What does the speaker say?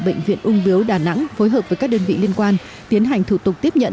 bệnh viện ung biếu đà nẵng phối hợp với các đơn vị liên quan tiến hành thủ tục tiếp nhận